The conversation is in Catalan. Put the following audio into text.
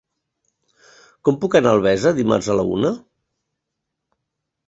Com puc anar a Albesa dimarts a la una?